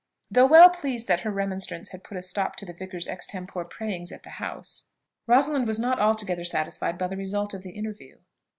Though well pleased that her remonstrance had put a stop to the vicar's extempore prayings at the house, Rosalind was not altogether satisfied by the result of the interview.